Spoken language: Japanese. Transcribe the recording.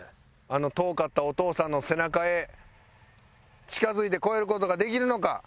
あの遠かったお父さんの背中へ近づいて超える事ができるのか？